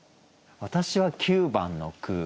私は９番の句。